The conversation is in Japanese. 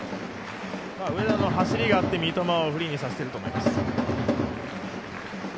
上田の走りがあって三笘をフリーにさせてると思います。